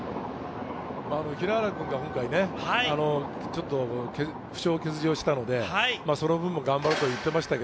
平原君が今回、負傷欠場したのでその分も頑張ると言ってました。